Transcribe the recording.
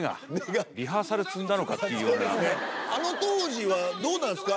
あの当時はどうなんですか？